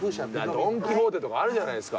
『ドン・キホーテ』とかあるじゃないですか。